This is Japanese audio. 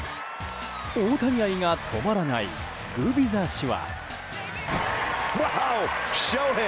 大谷愛が止まらないグビザ氏は。